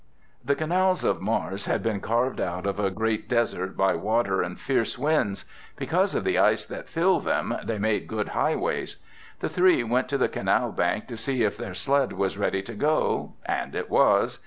The canals of Mars had been carved out of a great desert by water and fierce winds. Because of the ice that filled them, they made good highways. The three went to the canal bank to see if their sled was ready to go, and it was.